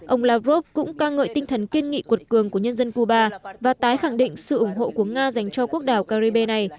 ông lavrov cũng ca ngợi tinh thần kiên nghị quật cường của nhân dân cuba và tái khẳng định sự ủng hộ của nga dành cho quốc đảo caribe này